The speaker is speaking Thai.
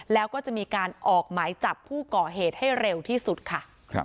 แล้วก็จะมีการออกหมายจับผู้ก่อเหตุให้เร็วที่สุดค่ะ